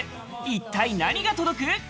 一体何が届く？